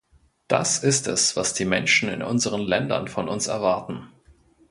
Das ist es, was die Menschen in unseren Ländern von uns erwarten.